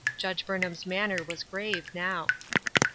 Judge Burnham's manner was grave now.